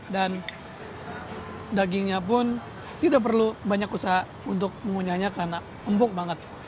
dan dagingnya pun tidak perlu banyak usaha untuk mengunyainya karena empuk banget